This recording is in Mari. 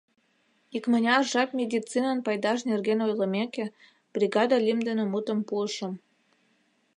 Икмыняр жап медицинын пайдаж нерген ойлымеке, бригаде лӱм дене мутым пуышым: